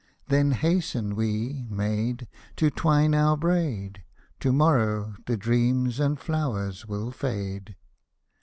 Then hasten we, maid, To twine our braid, To morrow the dreams and flowers will fade.